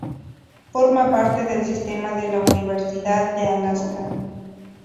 Forma parte del Sistema de la Universidad de Alaska.